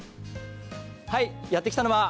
はいやって来たのは。